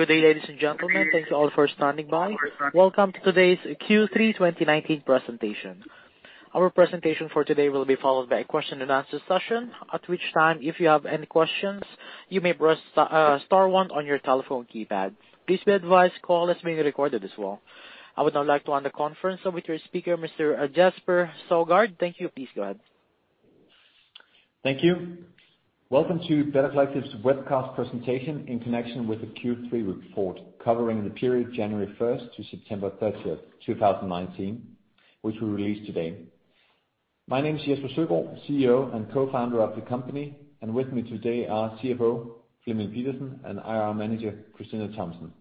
Good day, ladies and gentlemen. Thanks to all for standing by. Welcome to today's Q3 2019 presentation. Our presentation for today will be followed by a question and answer session, at which time, if you have any questions, you may press star one on your telephone keypad. Please be advised call is being recorded as well. I would now like to hand the conference over to your speaker, Mr. Jesper Søgaard. Thank you. Please go ahead. Thank you. Welcome to Better Collective's webcast presentation in connection with the Q3 report, covering the period January 1st to September 30th, 2019, which we release today. My name is Jesper Søgaard, CEO and co-founder of the company, and with me today are CFO Flemming Pedersen and IR Manager Christina Thomsen.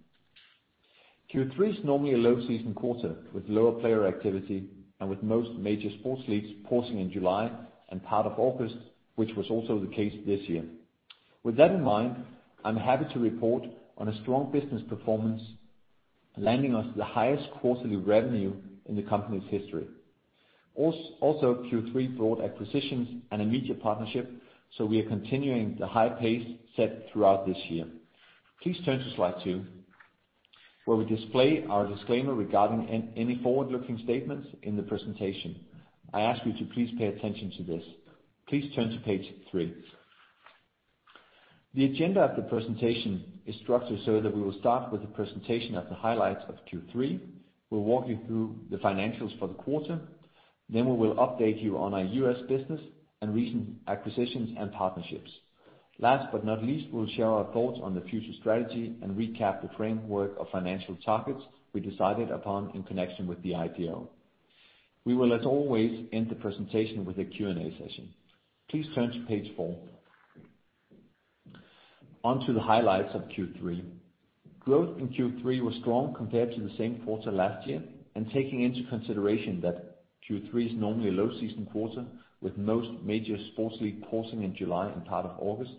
Q3 is normally a low season quarter, with lower player activity and with most major sports leagues pausing in July and part of August, which was also the case this year. With that in mind, I'm happy to report on a strong business performance, landing us the highest quarterly revenue in the company's history. Also, Q3 brought acquisitions and a media partnership, so we are continuing the high pace set throughout this year. Please turn to slide two, where we display our disclaimer regarding any forward-looking statements in the presentation. I ask you to please pay attention to this. Please turn to page three. The agenda of the presentation is structured so that we will start with the presentation of the highlights of Q3. We'll walk you through the financials for the quarter, then we will update you on our U.S. business and recent acquisitions and partnerships. Last but not least, we'll share our thoughts on the future strategy and recap the framework of financial targets we decided upon in connection with the IPO. We will, as always, end the presentation with a Q&A session. Please turn to page four. On to the highlights of Q3. Growth in Q3 was strong compared to the same quarter last year, and taking into consideration that Q3 is normally a low season quarter, with most major sports leagues pausing in July and part of August,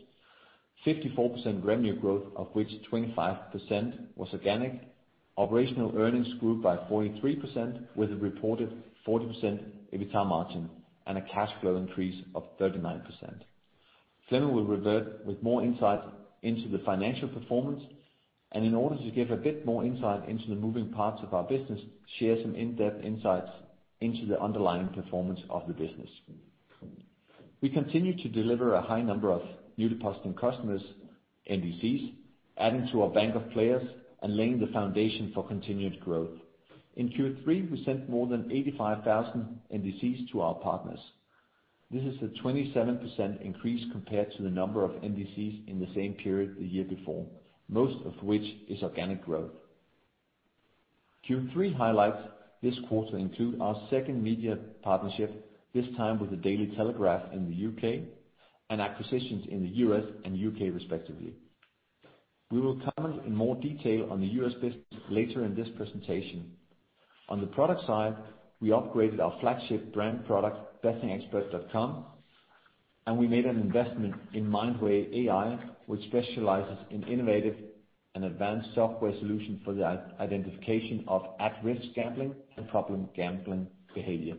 54% revenue growth, of which 25% was organic. Operational earnings grew by 43%, with a reported 40% EBITA margin and a cash flow increase of 39%. Flemming will revert with more insight into the financial performance and in order to give a bit more insight into the moving parts of our business, share some in-depth insights into the underlying performance of the business. We continue to deliver a high number of newly depositing customers, NDCs, adding to our bank of players and laying the foundation for continued growth. In Q3, we sent more than 85,000 NDCs to our partners. This is a 27% increase compared to the number of NDCs in the same period the year before, most of which is organic growth. Q3 highlights this quarter include our second media partnership, this time with The Daily Telegraph in the U.K., and acquisitions in the U.S. and U.K. respectively. We will comment in more detail on the U.S. business later in this presentation. On the product side, we upgraded our flagship brand product, bettingexpert.com, and we made an investment in Mindway AI, which specializes in innovative and advanced software solutions for the identification of at-risk gambling and problem gambling behavior.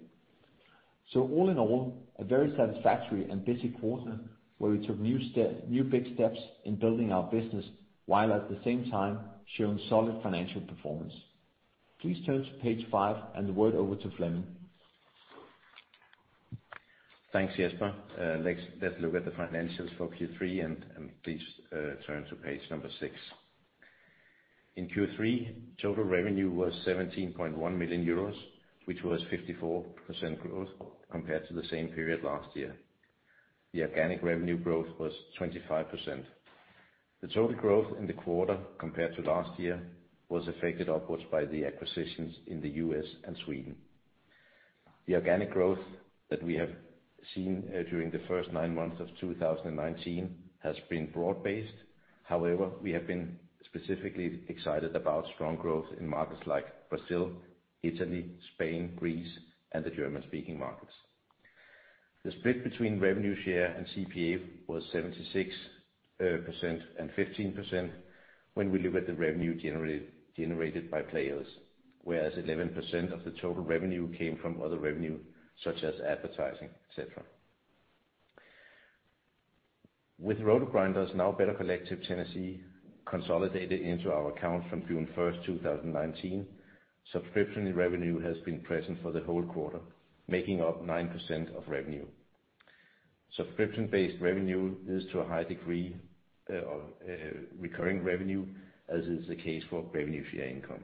All in all, a very satisfactory and busy quarter, where we took new big steps in building our business, while at the same time showing solid financial performance. Please turn to page five, and the word over to Flemming. Thanks, Jesper. Let's look at the financials for Q3. Please turn to page number six. In Q3, total revenue was 17.1 million euros, which was 54% growth compared to the same period last year. The organic revenue growth was 25%. The total growth in the quarter compared to last year was affected upwards by the acquisitions in the U.S. and Sweden. The organic growth that we have seen during the first nine months of 2019 has been broad-based. We have been specifically excited about strong growth in markets like Brazil, Italy, Spain, Greece, and the German-speaking markets. The split between revenue share and CPA was 76% and 15% when we look at the revenue generated by players, whereas 11% of the total revenue came from other revenue, such as advertising, et cetera. With RotoGrinders, now Better Collective Tennessee, consolidated into our account from June 1, 2019, subscription revenue has been present for the whole quarter, making up 9% of revenue. Subscription-based revenue is to a high degree a recurring revenue, as is the case for revenue share income.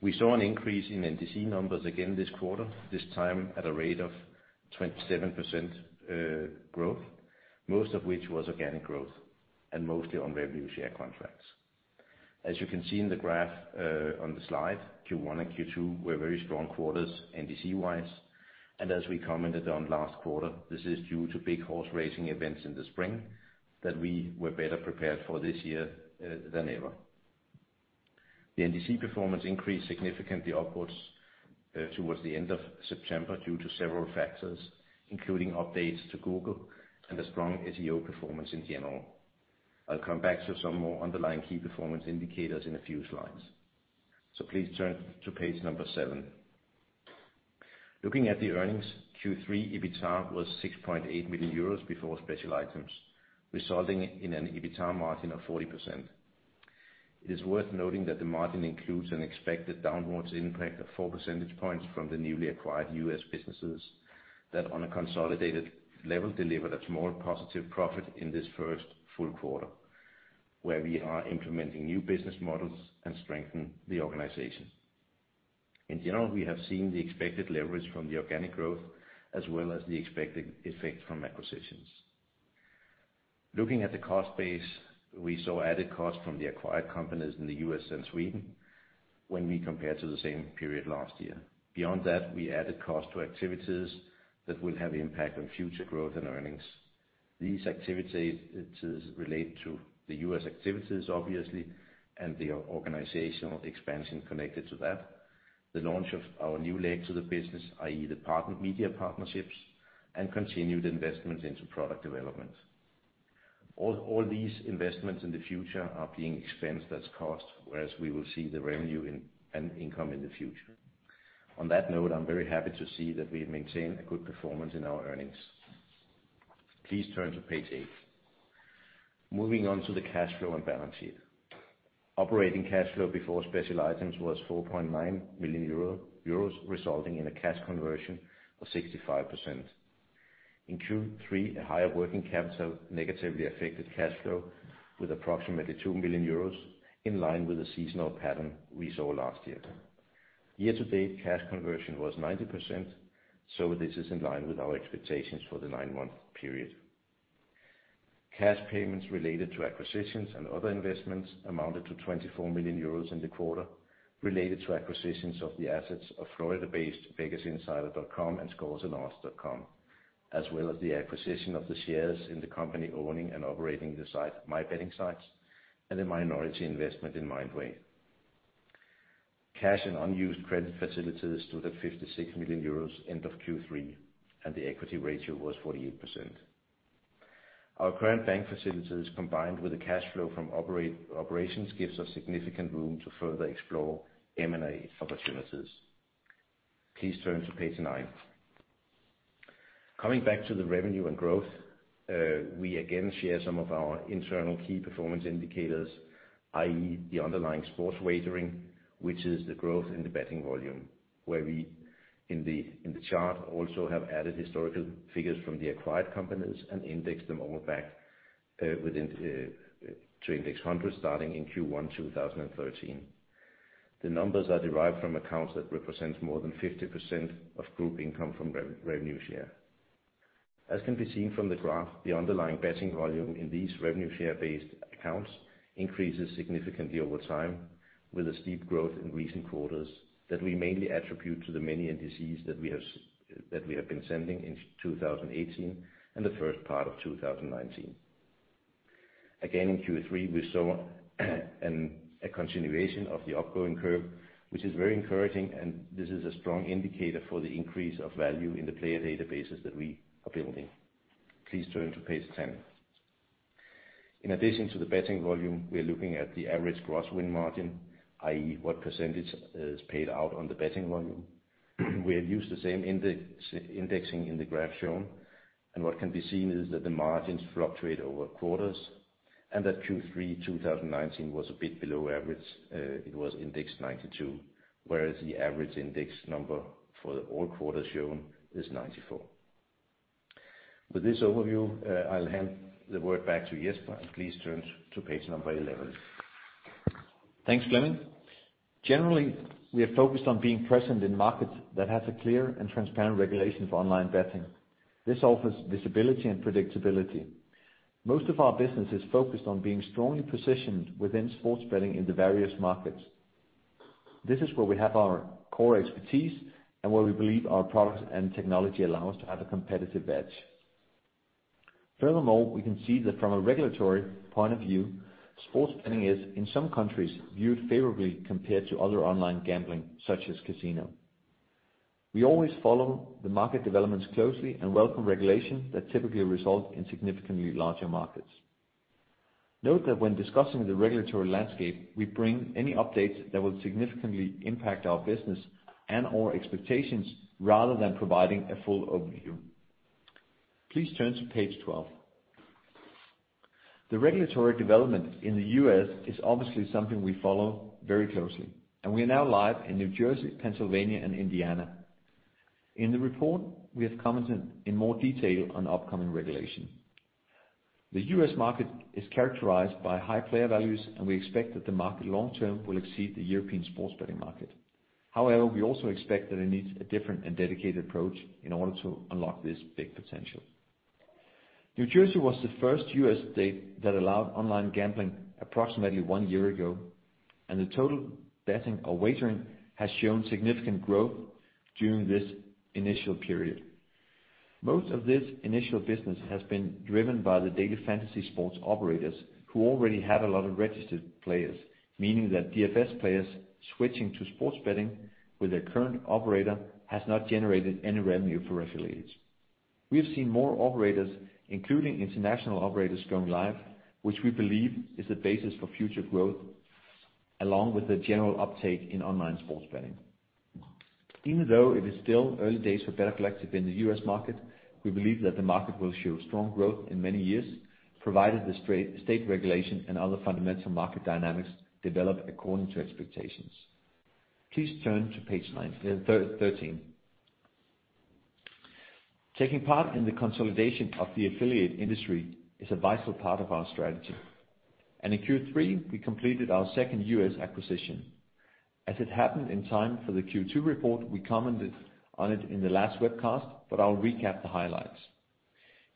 We saw an increase in NDC numbers again this quarter, this time at a rate of 27% growth, most of which was organic growth and mostly on revenue share contracts. As you can see in the graph on the slide, Q1 and Q2 were very strong quarters NDC-wise, and as we commented on last quarter, this is due to big horse racing events in the spring that we were better prepared for this year than ever. The NDC performance increased significantly upwards towards the end of September due to several factors, including updates to Google and a strong SEO performance in general. I'll come back to some more underlying key performance indicators in a few slides. Please turn to page seven. Looking at the earnings, Q3 EBITA was 6.8 million euros before special items, resulting in an EBITA margin of 40%. It is worth noting that the margin includes an expected downwards impact of four percentage points from the newly acquired U.S. businesses, that on a consolidated level, delivered a small positive profit in this first full quarter, where we are implementing new business models and strengthen the organization. In general, we have seen the expected leverage from the organic growth, as well as the expected effect from acquisitions. Looking at the cost base, we saw added cost from the acquired companies in the U.S. and Sweden, when we compare to the same period last year. Beyond that, we added cost to activities that will have impact on future growth and earnings. These activities relate to the U.S. activities, obviously, and the organizational expansion connected to that, the launch of our new leg to the business, i.e. the media partnerships, and continued investments into product development. All these investments in the future are being expensed as cost, whereas we will see the revenue and income in the future. On that note, I'm very happy to see that we have maintained a good performance in our earnings. Please turn to page eight. Moving on to the cash flow and balance sheet. Operating cash flow before special items was 4.9 million euro, resulting in a cash conversion of 65%. In Q3, a higher working capital negatively affected cash flow with approximately 2 million euros, in line with the seasonal pattern we saw last year. Year-to-date cash conversion was 90%. This is in line with our expectations for the nine-month period. Cash payments related to acquisitions and other investments amounted to 24 million euros in the quarter, related to acquisitions of the assets of Florida-based VegasInsider.com and ScoresAndOdds.com, as well as the acquisition of the shares in the company owning and operating the site MyBettingSites, and a minority investment in Mindway. Cash and unused credit facilities stood at 56 million euros end of Q3, and the equity ratio was 48%. Our current bank facilities, combined with the cash flow from operations, gives us significant room to further explore M&A opportunities. Please turn to page nine. Coming back to the revenue and growth, we again share some of our internal key performance indicators, i.e. the underlying sports wagering, which is the growth in the betting volume. Where we, in the chart, also have added historical figures from the acquired companies and indexed them all back to index 100 starting in Q1 2013. The numbers are derived from accounts that represent more than 50% of group income from revenue share. As can be seen from the graph, the underlying betting volume in these revenue share-based accounts increases significantly over time, with a steep growth in recent quarters that we mainly attribute to the many NDCs that we have been sending in 2018 and the first part of 2019. Again, in Q3, we saw a continuation of the upcoming curve, which is very encouraging, and this is a strong indicator for the increase of value in the player databases that we are building. Please turn to page 10. In addition to the betting volume, we are looking at the average gross win margin, i.e. what percentage is paid out on the betting volume. We have used the same indexing in the graph shown, what can be seen is that the margins fluctuate over quarters, and that Q3 2019 was a bit below average. It was index 92, whereas the average index number for all quarters shown is 94. With this overview, I'll hand the word back to Jesper, please turn to page number 11. Thanks, Flemming. Generally, we are focused on being present in markets that have a clear and transparent regulation for online betting. This offers visibility and predictability. Most of our business is focused on being strongly positioned within sports betting in the various markets. This is where we have our core expertise and where we believe our products and technology allow us to have a competitive edge. Furthermore, we can see that from a regulatory point of view, sports betting is, in some countries, viewed favorably compared to other online gambling, such as casino. We always follow the market developments closely and welcome regulation that typically result in significantly larger markets. Note that when discussing the regulatory landscape, we bring any updates that will significantly impact our business and/or expectations rather than providing a full overview. Please turn to page 12. The regulatory development in the U.S. is obviously something we follow very closely. We are now live in New Jersey, Pennsylvania, and Indiana. In the report, we have commented in more detail on upcoming regulation. The U.S. market is characterized by high player values. We expect that the market long term will exceed the European sports betting market. However, we also expect that it needs a different and dedicated approach in order to unlock this big potential. New Jersey was the first U.S. state that allowed online gambling approximately one year ago. The total betting or wagering has shown significant growth during this initial period. Most of this initial business has been driven by the daily fantasy sports operators, who already have a lot of registered players, meaning that DFS players switching to sports betting with their current operator has not generated any revenue for affiliates. We have seen more operators, including international operators, going live, which we believe is the basis for future growth, along with the general uptake in online sports betting. Even though it is still early days for Better Collective in the U.S. market, we believe that the market will show strong growth in many years, provided the state regulation and other fundamental market dynamics develop according to expectations. Please turn to page 13. Taking part in the consolidation of the affiliate industry is a vital part of our strategy. In Q3, we completed our second U.S. acquisition. As it happened in time for the Q2 report, we commented on it in the last webcast, but I'll recap the highlights.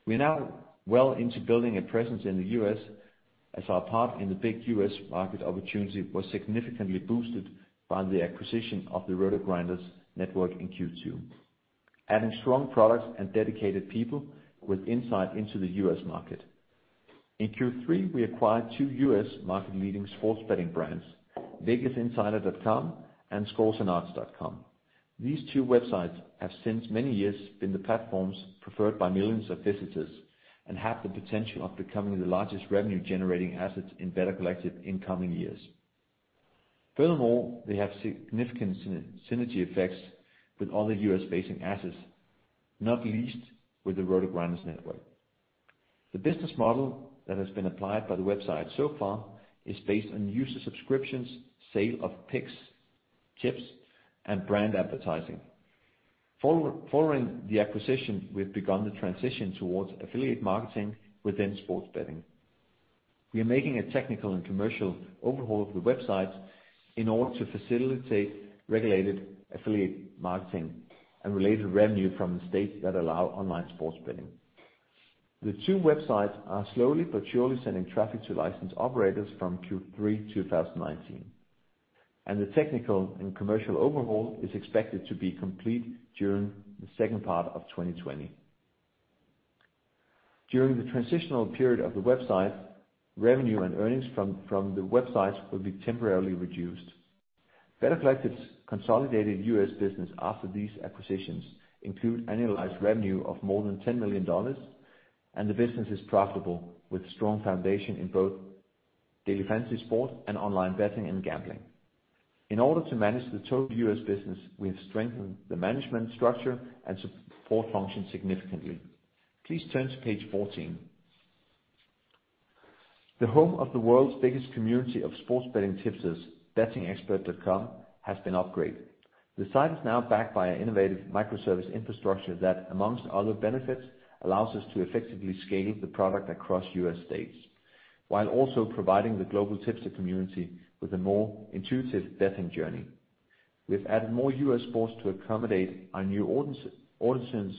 We are now well into building a presence in the U.S., as our part in the big U.S. market opportunity was significantly boosted by the acquisition of the RotoGrinders network in Q2. Adding strong products and dedicated people with insight into the U.S. market. In Q3, we acquired two U.S. market-leading sports betting brands, vegasinsider.com and scoresandodds.com. These two websites have since many years been the platforms preferred by millions of visitors and have the potential of becoming the largest revenue-generating assets in Better Collective in coming years. They have significant synergy effects with other U.S.-facing assets, not least with the RotoGrinders network. The business model that has been applied by the website so far is based on user subscriptions, sale of picks, tips, and brand advertising. Following the acquisition, we've begun the transition towards affiliate marketing within sports betting. We are making a technical and commercial overhaul of the websites in order to facilitate regulated affiliate marketing and related revenue from the states that allow online sports betting. The two websites are slowly but surely sending traffic to licensed operators from Q3 2019, and the technical and commercial overhaul is expected to be complete during the second part of 2020. During the transitional period of the website, revenue and earnings from the websites will be temporarily reduced. Better Collective's consolidated U.S. business after these acquisitions include annualized revenue of more than $10 million, and the business is profitable, with strong foundation in both daily fantasy sports and online betting and gambling. In order to manage the total U.S. business, we have strengthened the management structure and support function significantly. Please turn to page 14. The home of the world's biggest community of sports betting tipsters, bettingexpert.com, has been upgraded. The site is now backed by an innovative microservice infrastructure that, amongst other benefits, allows us to effectively scale the product across U.S. states, while also providing the global tipster community with a more intuitive betting journey. We've added more U.S. sports to accommodate our new audiences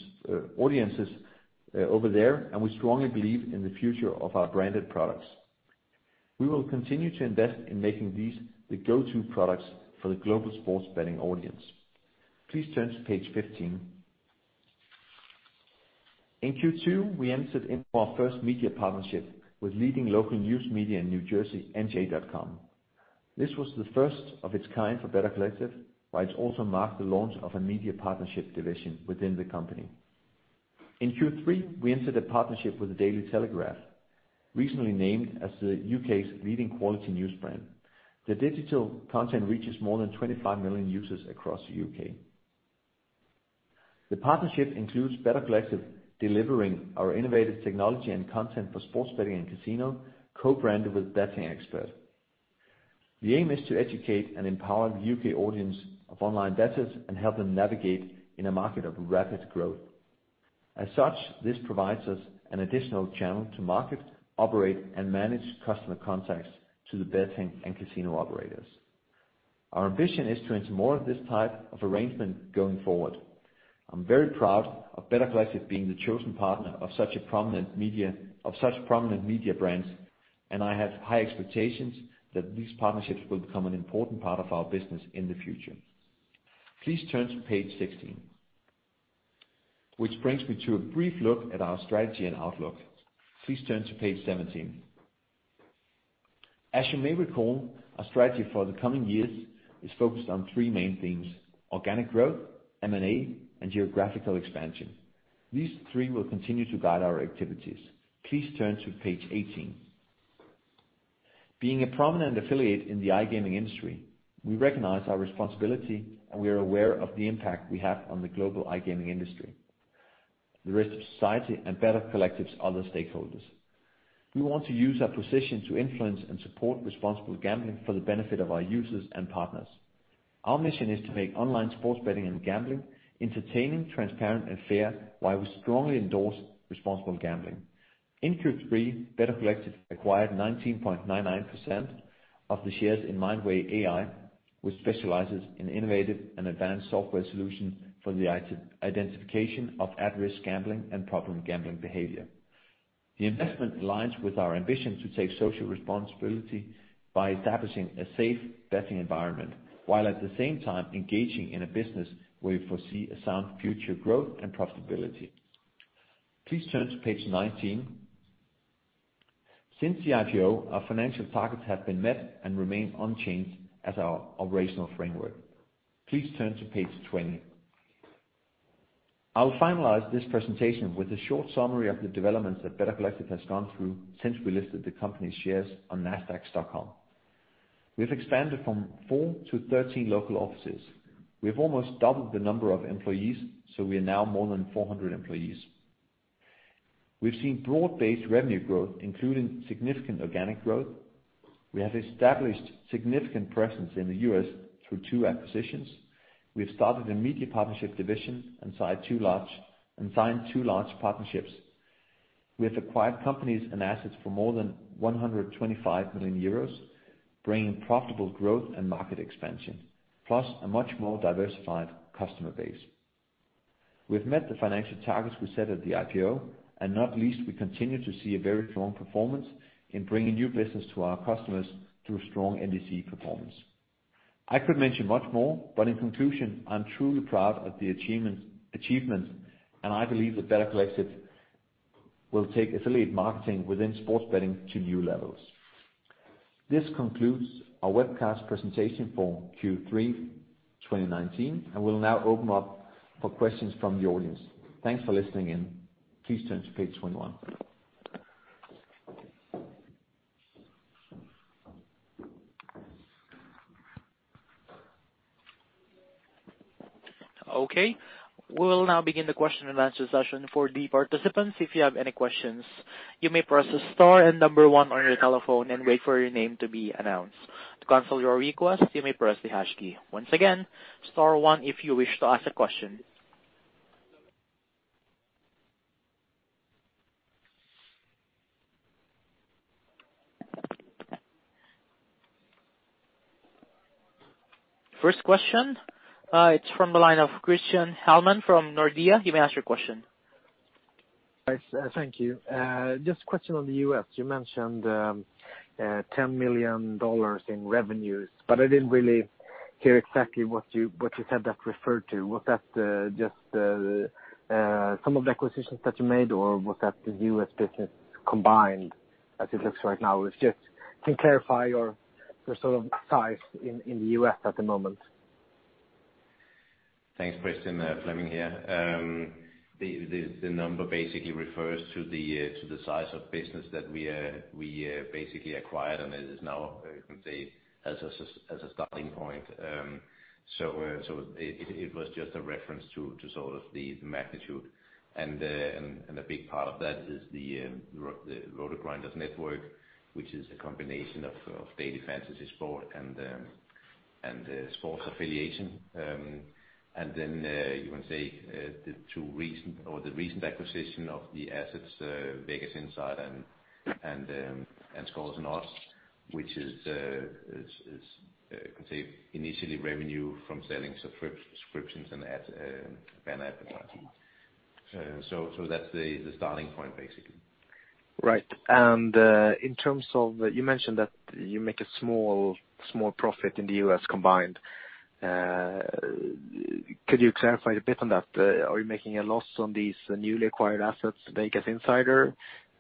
over there. We strongly believe in the future of our branded products. We will continue to invest in making these the go-to products for the global sports betting audience. Please turn to page 15. In Q2, we entered into our first media partnership with leading local news media in New Jersey, NJ.com. This was the first of its kind for Better Collective, while it also marked the launch of a media partnership division within the company. In Q3, we entered a partnership with The Daily Telegraph, recently named as the U.K.'s leading quality news brand. Their digital content reaches more than 25 million users across the U.K. The partnership includes Better Collective delivering our innovative technology and content for sports betting and casino, co-branded with BettingExpert. The aim is to educate and empower the U.K. audience of online bettors and help them navigate in a market of rapid growth. As such, this provides us an additional channel to market, operate, and manage customer contacts to the betting and casino operators. Our ambition is to enter more of this type of arrangement going forward. I'm very proud of Better Collective being the chosen partner of such prominent media brands, and I have high expectations that these partnerships will become an important part of our business in the future. Please turn to page 16. Which brings me to a brief look at our strategy and outlook. Please turn to page 17. As you may recall, our strategy for the coming years is focused on three main things: organic growth, M&A, and geographical expansion. These three will continue to guide our activities. Please turn to page 18. Being a prominent affiliate in the iGaming industry, we recognize our responsibility, and we are aware of the impact we have on the global iGaming industry, the rest of society, and Better Collective's other stakeholders. We want to use our position to influence and support responsible gambling for the benefit of our users and partners. Our mission is to make online sports betting and gambling entertaining, transparent, and fair, while we strongly endorse responsible gambling. In Q3, Better Collective acquired 19.99% of the shares in Mindway AI, which specializes in innovative and advanced software solutions for the identification of at-risk gambling and problem gambling behavior. The investment aligns with our ambition to take social responsibility by establishing a safe betting environment, while at the same time engaging in a business where we foresee a sound future growth and profitability. Please turn to page 19. Since the IPO, our financial targets have been met and remain unchanged as our operational framework. Please turn to page 20. I'll finalize this presentation with a short summary of the developments that Better Collective has gone through since we listed the company shares on Nasdaq Stockholm. We've expanded from four to 13 local offices. We've almost doubled the number of employees, so we are now more than 400 employees. We've seen broad-based revenue growth, including significant organic growth. We have established significant presence in the U.S. through two acquisitions. We've started a media partnership division and signed two large partnerships. We have acquired companies and assets for more than 125 million euros, bringing profitable growth and market expansion, plus a much more diversified customer base. We've met the financial targets we set at the IPO, and not least, we continue to see a very strong performance in bringing new business to our customers through strong NDC performance. I could mention much more, but in conclusion, I'm truly proud of the achievement, and I believe that Better Collective will take affiliate marketing within sports betting to new levels. This concludes our webcast presentation for Q3 2019, and we'll now open up for questions from the audience. Thanks for listening in. Please turn to page 21. Okay. We will now begin the question and answer session. For the participants, if you have any questions, you may press star and number 1 on your telephone and wait for your name to be announced. To cancel your request, you may press the hash key. Once again, star 1 if you wish to ask a question. First question, it's from the line of Christian Hellman from Nordea. You may ask your question. Thank you. Just a question on the U.S. You mentioned $10 million in revenues. I didn't really hear exactly what you said that referred to. Was that just some of the acquisitions that you made, or was that the U.S. business combined as it looks right now? If you can clarify your sort of size in the U.S. at the moment. Thanks, Christian. Flemming here. The number basically refers to the size of business that we acquired and is now, you can say, as a starting point. A big part of that is the RotoGrinders network, which is a combination of daily fantasy sports and sports affiliation. Then, you can say, the recent acquisition of the assets, Vegas Insider and Scores and Odds, which is initially revenue from selling subscriptions and banner advertising. That's the starting point, basically. Right. You mentioned that you make a small profit in the U.S. combined. Could you clarify a bit on that? Are you making a loss on these newly acquired assets, Vegas Insider,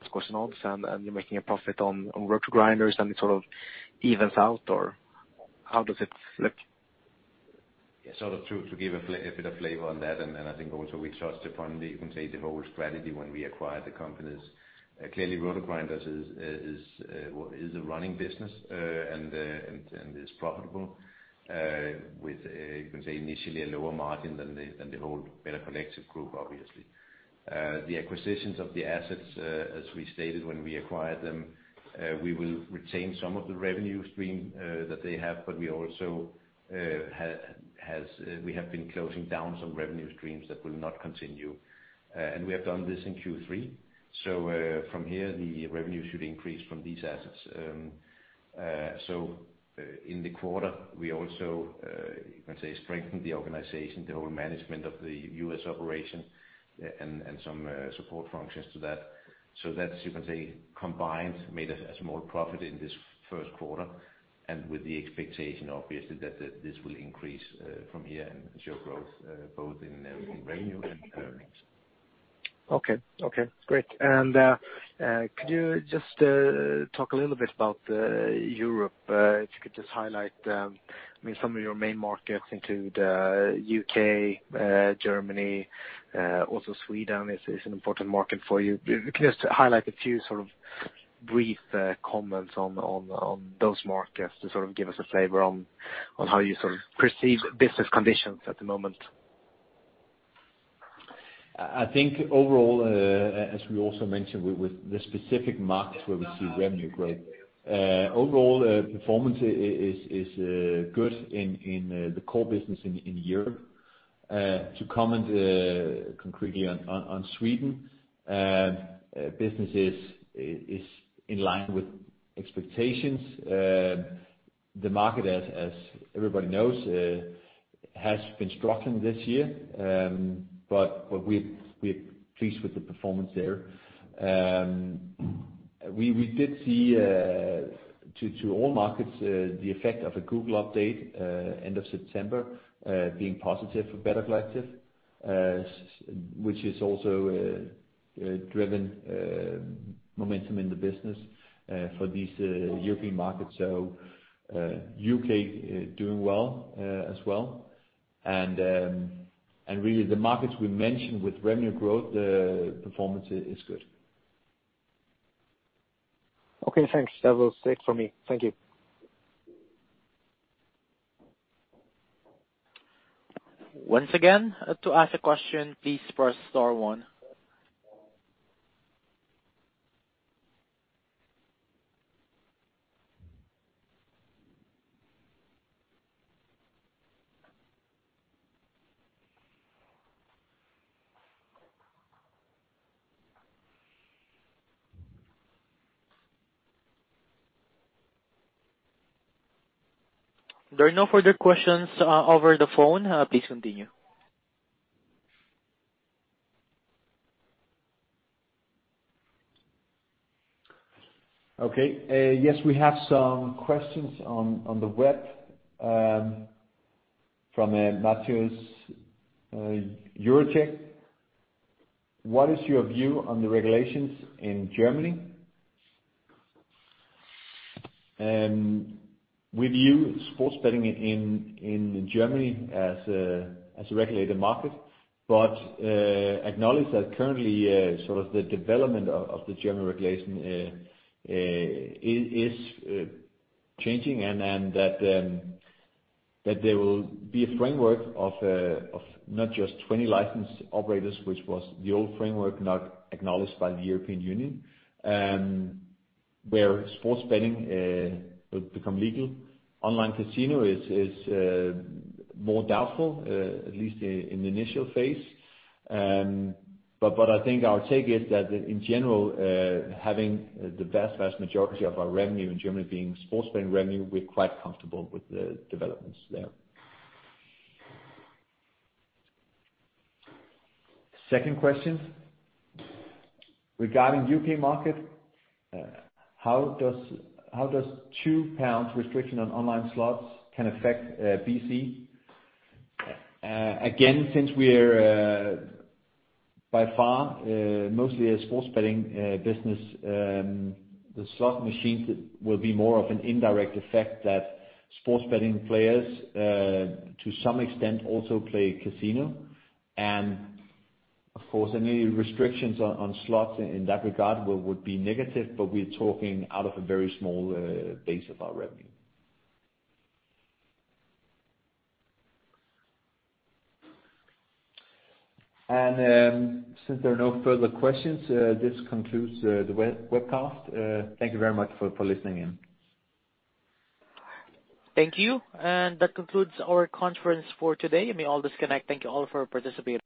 Scores and Odds, and you're making a profit on RotoGrinders, and it sort of evens out, or how does it look? To give a bit of flavor on that, I think also we trust upon the whole strategy when we acquired the companies. Clearly, RotoGrinders is a running business and is profitable with, you can say, initially a lower margin than the whole Better Collective group, obviously. The acquisitions of the assets, as we stated when we acquired them, we will retain some of the revenue stream that they have, but we also have been closing down some revenue streams that will not continue. We have done this in Q3. From here, the revenue should increase from these assets. In the quarter, we also strengthened the organization, the whole management of the U.S. operation and some support functions to that. That combined made a small profit in this first quarter and with the expectation, obviously, that this will increase from here and show growth both in revenue and earnings. Okay. Great. Could you just talk a little bit about Europe? If you could just highlight some of your main markets into the U.K., Germany, also Sweden is an important market for you. Can you just highlight a few sort of brief comments on those markets to sort of give us a flavor on how you sort of perceive business conditions at the moment? I think overall, as we also mentioned with the specific markets where we see revenue growth, overall performance is good in the core business in Europe. To comment concretely on Sweden, business is in line with expectations. The market, as everybody knows, has been struggling this year, but we're pleased with the performance there. To all markets, the effect of a Google update end of September being positive for Better Collective, which has also driven momentum in the business for these European markets. U.K. is doing well as well, and really the markets we mentioned with revenue growth, the performance is good. Okay, thanks. That was it for me. Thank you. Once again, to ask a question, please press star one. There are no further questions over the phone. Please continue. Okay. Yes, we have some questions on the web from Matthew Jurosk. What is your view on the regulations in Germany? We view sports betting in Germany as a regulated market, acknowledge that currently, the development of the German regulation is changing, and that there will be a framework of not just 20 licensed operators, which was the old framework not acknowledged by the European Union, where sports betting will become legal. Online casino is more doubtful, at least in the initial phase. I think our take is that in general, having the vast majority of our revenue in Germany being sports betting revenue, we're quite comfortable with the developments there. Second question, regarding U.K. market, how does 2 pounds restriction on online slots can affect BC? Again, since we're by far mostly a sports betting business, the slot machines will be more of an indirect effect that sports betting players to some extent also play casino. Of course, any restrictions on slots in that regard would be negative, but we're talking out of a very small base of our revenue. Since there are no further questions, this concludes the webcast. Thank you very much for listening in. Thank you. That concludes our conference for today. You may all disconnect. Thank you all for participating.